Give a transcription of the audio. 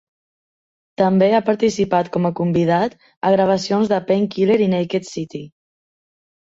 També ha participat com a convidat a gravacions de Painkiller i Naked City.